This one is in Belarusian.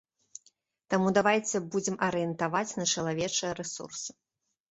Таму давайце будзем арыентаваць на чалавечыя рэсурсы.